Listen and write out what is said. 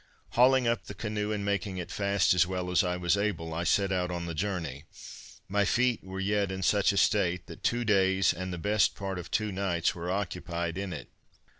Hauling up the canoe, and making it fast as well as I was able, I set out on the journey. My feet were yet in such a state, that two days, and the best part of two nights were occupied in it.